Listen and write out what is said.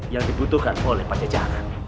yang dibutuhkan oleh pajajaran